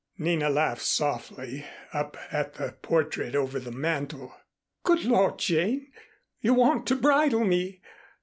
Nina laughed softly up at the portrait over the mantel. "Good Lord, Jane, you want to bridle me!